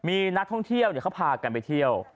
มีนักท่องเที่ยวเขาพากันไปเที่ยว